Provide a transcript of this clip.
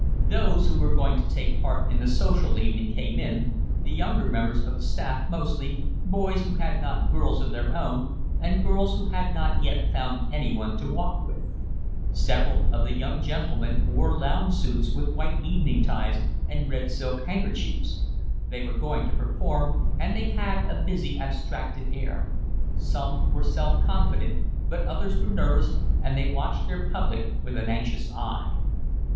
Those who were going to take part in the social evening came in, the younger members of the staff mostly, boys who had not girls of their own, and girls who had not yet found anyone to walk with. Several of the young gentlemen wore lounge suits with white evening ties and red silk handkerchiefs; they were going to perform, and they had a busy, abstracted air; some were self confident, but others were nervous, and they watched their public with an anxious eye.